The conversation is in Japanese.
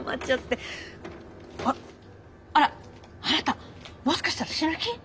あっあらあなたもしかしたら死ぬ気？